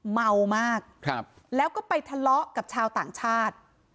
เมามากแล้วก็ไปทะเลาะกับชาวต่างชาติ